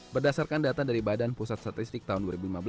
berdasarkan data dari badan pusat statistik tahun dua ribu lima belas